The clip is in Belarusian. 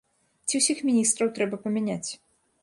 Ці ўсіх міністраў трэба памяняць?